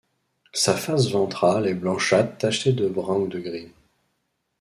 Sa face ventrale est blanchâtre tacheté de brun ou de gris.